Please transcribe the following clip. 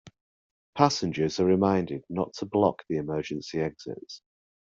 Passengers are reminded not to block the emergency exits.